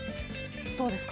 どうですか？